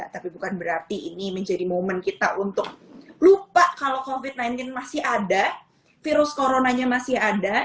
tapi bukan berarti ini menjadi momen kita untuk lupa kalau covid sembilan belas masih ada virus coronanya masih ada